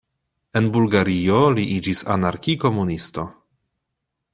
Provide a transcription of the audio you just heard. En Bulgario li iĝis anarki-komunisto.